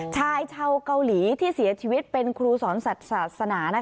ชายชาวเกาหลีที่เสียชีวิตเป็นครูสอนศาสนา